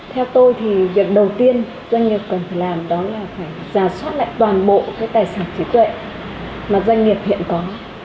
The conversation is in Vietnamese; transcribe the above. theo tôi thì việc đầu tiên doanh nghiệp cần phải làm đó là phải giả soát lại toàn bộ cái tài sản trí tuệ mà doanh nghiệp hiện có